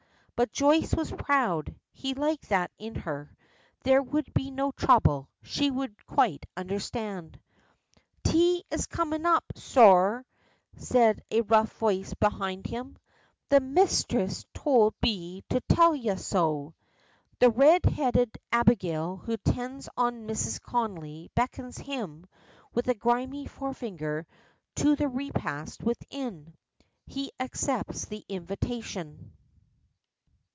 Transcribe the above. But Joyce was proud he liked that in her. There would be no trouble; she would quite understand. "Tea is just comin' up, sorr!" says a rough voice behind him. "The misthress tould me to tell ye so!" The red headed Abigail who attends on Mrs. Connolly beckons him, with a grimy forefinger, to the repast within. He accepts the invitation.